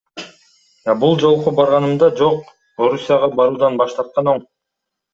А бул жолку барганымда, жок, Орусияга баруудан баш тарткан оң.